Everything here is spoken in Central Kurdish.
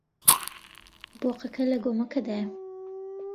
بۆقەکە لە گۆمەکەدایە.